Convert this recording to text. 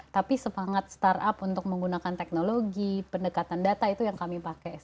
tapi semangat startup untuk menggunakan teknologi pendekatan data itu yang kami pakai